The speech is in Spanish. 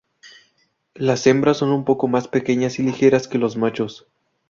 Las hembras son un poco más pequeñas y ligeras que los machos.